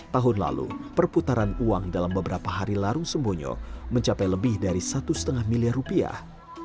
tahun lalu perputaran uang dalam beberapa hari larung sembonyo mencapai lebih dari satu lima miliar rupiah